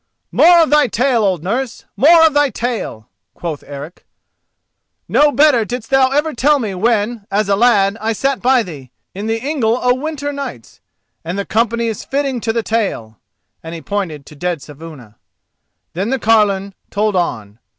"More of thy tale, old nurse!—more of thy tale!" quoth Eric. "No better didst thou ever tell me when, as a lad, I sat by thee, in the ingle o' winter nights—and the company is fitting to the tale!" and he pointed to dead Saevuna. Then the carline told on.